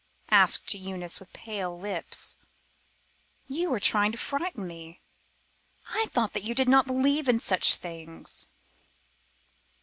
asked Eunice with pale lips. "You are trying to frighten me; I thought that you did not believe in such things."